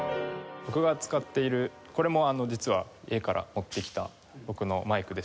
僕が使っているこれも実は家から持ってきた僕のマイクでして。